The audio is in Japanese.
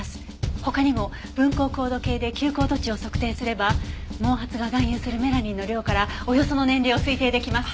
他にも分光光度計で吸光度値を測定すれば毛髪が含有するメラニンの量からおよその年齢を推定出来ます。